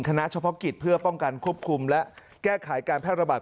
เฉพาะกิจเพื่อป้องกันควบคุมและแก้ไขการแพร่ระบาด